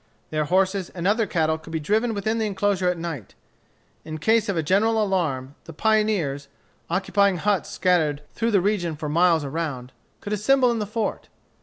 Their horses and other cattle could be driven within the enclosure at night. In case of a general alarm, the pioneers, occupying huts scattered through the region for miles around, could assemble in the fort.